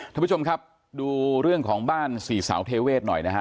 ท่านผู้ชมครับดูเรื่องของบ้านสี่สาวเทเวศหน่อยนะฮะ